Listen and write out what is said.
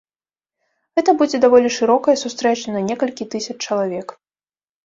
Гэта будзе даволі шырокая сустрэча на некалькі тысяч чалавек.